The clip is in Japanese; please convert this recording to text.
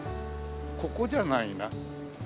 ここじゃないな。